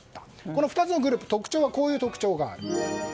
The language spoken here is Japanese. この２つのグループはこういう特徴があります。